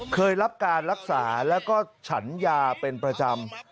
เคยรับการรักษาแล้วก็ฉันยาเป็นประจำ